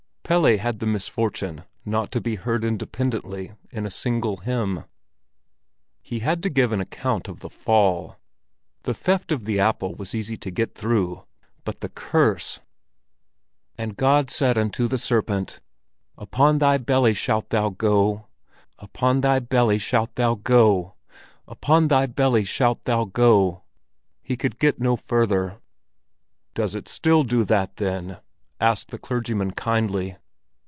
Pelle had the misfortune not to be heard independently in a single hymn. He had to give an account of the Fall. The theft of the apple was easy to get through, but the curse—! "And God said unto the serpent: Upon thy belly shalt thou go, upon thy belly shalt thou go, upon thy belly shalt thou go!" He could get no further. "Does it still do that, then?" asked the clergyman kindly.